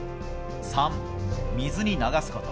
３、水に流すこと。